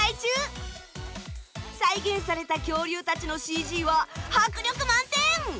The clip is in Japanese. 再現された恐竜たちのＣＧは迫力満点！